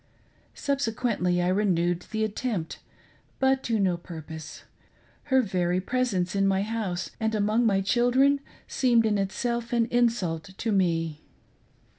Subse quently I renewed the attempt, but to no purpose ; her very presence in my house and among my children seemed in itself an insult to me.